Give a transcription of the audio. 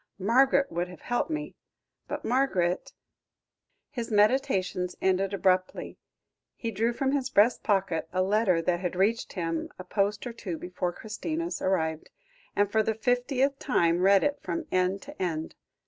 Margaret would have helped me but Margaret " His meditations ended abruptly; he drew from his breast pocket a letter that had reached him a post or two before Christina's arrived, and for the fiftieth time read it from end to end.